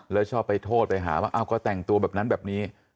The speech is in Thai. แล้วชอบไปโทษไปหาว่าก็แต่งตัวแบบนั้นแบบนี้